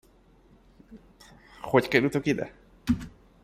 Hogy kerültök ide?